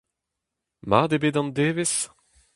Mat eo bet an devezh ?